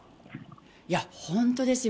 いや、本当ですよ。